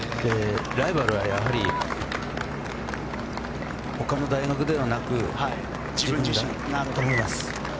ライバルはやはりほかの大学ではなく自分自身だと思います。